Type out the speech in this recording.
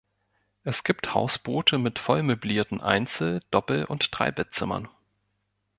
Es gibt Hausboote mit voll möblierten Einzel-, Doppel- und Dreibettzimmern.